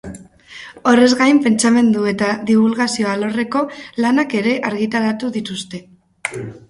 Horrez gain, pentsamendu eta dibulgazio alorreko lanak ere argitaratu dituzte.